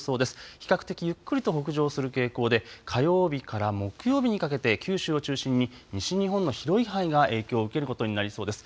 比較的ゆっくりと北上する傾向で火曜日から木曜日にかけて九州を中心に西日本の広い範囲が影響を受けることになりそうです。